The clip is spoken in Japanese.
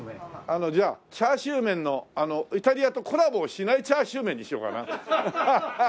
あのじゃあチャーシュー麺のイタリアとコラボしないチャーシュー麺にしようかな。